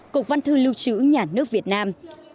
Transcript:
cục văn thư lưu trữ nhà nước việt nam